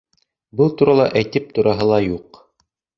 Был турала әйтеп тораһы ла юҡ.